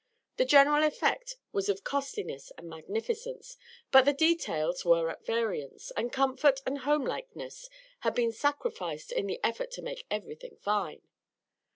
The general effect was of costliness and magnificence; but the details were at variance, and comfort and homelikeness had been sacrificed in the effort to make everything fine.